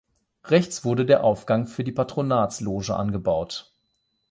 Rechts wurde der Aufgang für die Patronatsloge angebaut.